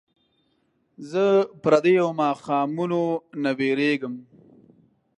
زه پردیو ماښامونو نه ویرېږم